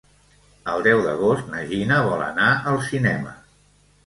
El deu d'agost na Gina vol anar al cinema.